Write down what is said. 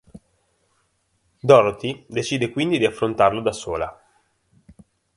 Dorothy decide quindi di affrontarlo da sola.